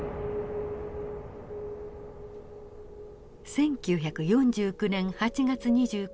１９４９年８月２９日。